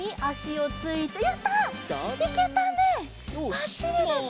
ばっちりです。